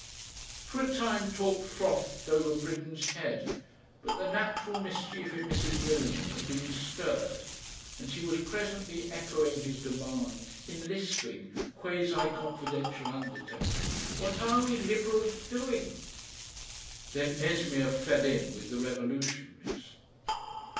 For a time talk frothed over Britten's head, but the natural mischief in Mrs. Millingham had been stirred, and she was presently echoing his demand in lisping, quasi confidential undertones. "What ARE we Liberals doing?" Then Esmeer fell in with the revolutionaries.